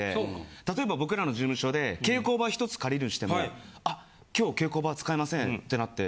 例えば僕らの事務所で稽古場ひとつ借りるにしても「あ今日稽古場使えません」ってなって。